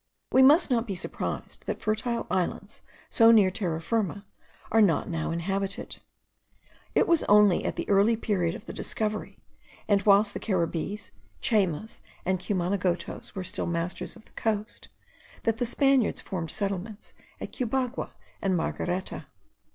We must not be surprised that fertile islands, so near Terra Firma, are not now inhabited. It was only at the early period of the discovery, and whilst the Caribbees, Chaymas, and Cumanagotos were still masters of the coast, that the Spaniards formed settlements at Cubagua and Margareta.